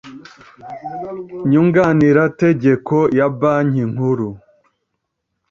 nyunganirategeko ya Banki Nkuru